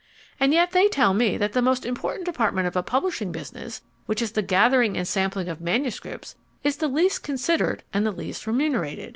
And yet they tell me that the most important department of a publishing business, which is the gathering and sampling of manuscripts, is the least considered and the least remunerated.